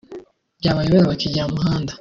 byabayobera bakigira mu muhanda